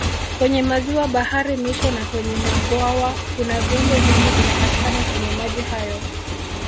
Kwenye maziwa bahari mito na kwenye mabwawa kuna viumbe vingi vinapatikana kwenye maji hayo